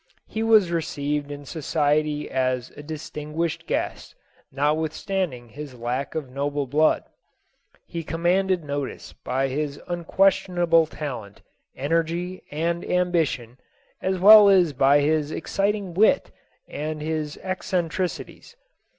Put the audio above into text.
He was received in society as a distinguished guest, notwithstanding his lack of noble blood. He commanded notice by his unquestionable talent, energy and ambition, as well as by his exciting wit and his ec centricities.